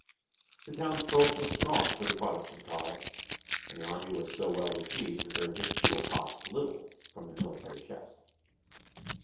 The townsfolk were strong for the Protestant cause, and the army was so well received that their victual cost little from the military chest.